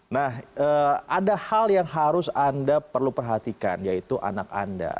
nah ada hal yang harus anda perlu perhatikan yaitu anak anda